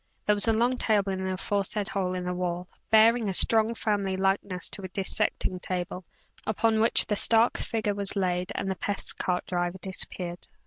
There was a long table in the aforesaid hole in the wall, bearing a strong family likeness to a dissecting table; upon which the stark figure was laid, and the pest cart driver disappeared.